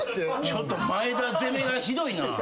ちょっと前田攻めがひどいな。